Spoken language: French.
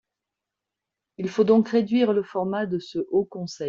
Il faut donc réduire le format de ce Haut conseil.